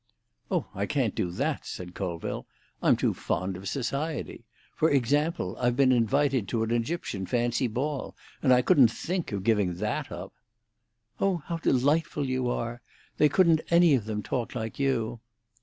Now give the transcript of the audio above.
"Oh, I can't do that," said Colville; "I'm too fond of society. For example, I've been invited to an Egyptian fancy ball, and I couldn't think of giving that up." "Oh, how delightful you are! They couldn't any of them talk like you."